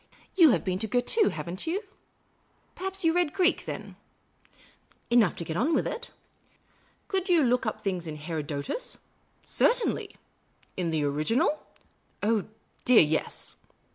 You have been to Girton, have n't you ? Perhaps you read Greek, then ?"" Enough to get on with." " Could you look up things in Herodotus ?"" Certainly." " In the original ?"" Oh, dear, yes."